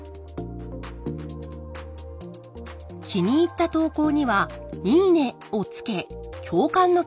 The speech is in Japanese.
気に入った投稿には「いいね」をつけ共感の気持ちを伝えます。